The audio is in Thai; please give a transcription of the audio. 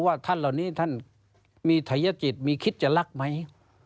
ท่านเหล่านี้ท่านมีทัยจิตมีคิดจะรักไหม